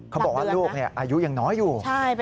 เขาบอกว่าลูกอายุยังน้อยอยู่